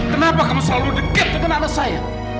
kenapa kamu selalu dekat dengan anak saya